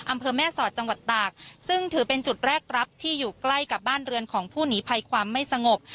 อำเภอแม่สอดจังหวัดตากซึ่งถือเป็นจุดแรกรับที่อยู่ใกล้กับบ้านเรือนของผู้หนีภัยความไม่สงบ